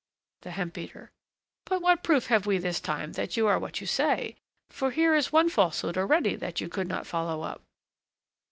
THE HEMP BEATER. But what proof have we this time that you are what you say? for here is one falsehood already that you could not follow up.